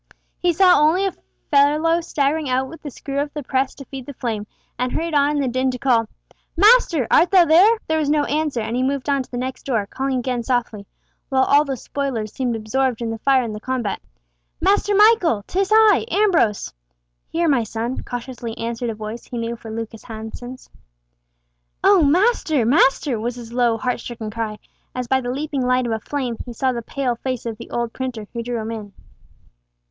He saw only a fellow staggering out with the screw of the press to feed the flame, and hurried on in the din to call "Master, art thou there?" There was no answer, and he moved on to the next door, calling again softly, while all the spoilers seemed absorbed in the fire and the combat. "Master Michael! 'Tis I, Ambrose!" "Here, my son," cautiously answered a voice he knew for Lucas Hansen's. "Oh, master! master!" was his low, heart stricken cry, as by the leaping light of a flame he saw the pale face of the old printer, who drew him in.